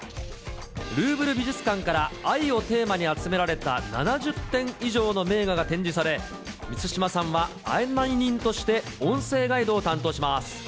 ルーヴル美術館から愛をテーマに集められた７０点以上の名画が展示され、満島さんは案内人として音声ガイドを担当します。